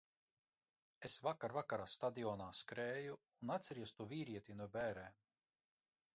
Es vakar vakarā stadionā skrēju, un atceries to vīrieti no bērēm?